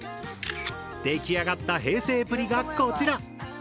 出来上がった平成プリがこちら！